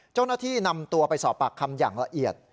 เจ้าหน้าที่นำตัวไปสอบปากคำอย่างละเอียด